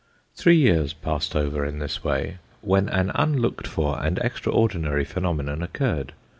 Three years passed over in this way, when an unlooked for and extraordinary phenomenon occurred.